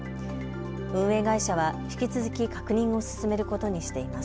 運営会社は引き続き確認を進めることにしています。